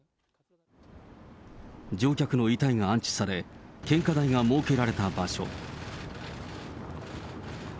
乗客の遺体が安置され、献花台が設けられた場所。